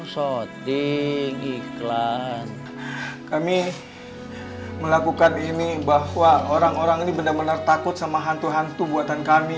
kami melakukan ini bahwa orang orang ini benar benar takut sama hantu hantu buatan kami